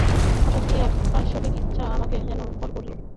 হঠাৎ কী এক পাশবিক ইচ্ছা আমাকে যেন ভর করল।